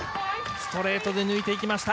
ストレートで抜いていきました。